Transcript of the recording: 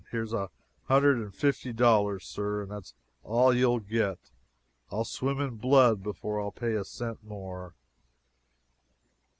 Here's a hundred and fifty dollars, Sir, and it's all you'll get I'll swim in blood before I'll pay a cent more."